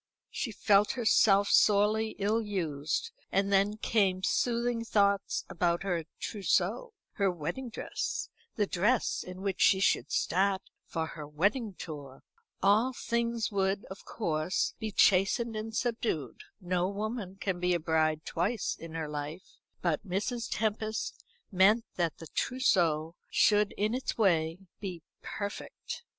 She felt herself sorely ill used; and then came soothing thoughts about her trousseau, her wedding dress, the dress in which she should start for her wedding tour. All things would of course be chastened and subdued. No woman can be a bride twice in her life; but Mrs. Tempest meant that the trousseau should, in its way, be perfect.